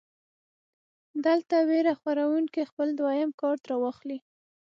دلته وېره خوروونکے خپل دويم کارډ راواخلي -